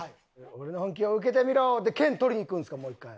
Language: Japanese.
「俺の本気を受けてみろ！」で剣取りにいくんですかもう１回。